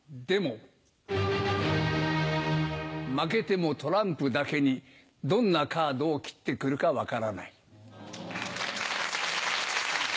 『運命』負けてもトランプだけにどんなカードを切って来るか分からない。